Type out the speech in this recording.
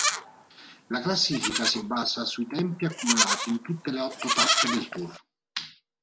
La classifica si basa sui tempi accumulati in tutte le otto tappe del tour.